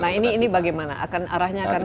nah ini bagaimana akan arahnya akan